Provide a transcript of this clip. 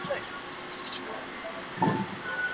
د هوښيارۍ څخه کار واخه .